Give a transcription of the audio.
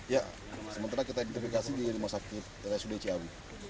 ya sementara kita identifikasi di rumah sakit dari sudc aw